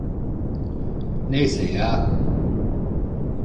Neyse ya.